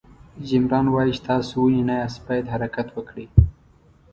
جیم ران وایي چې تاسو ونې نه یاست باید حرکت وکړئ.